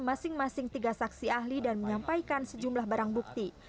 masing masing tiga saksi ahli dan menyampaikan sejumlah barang bukti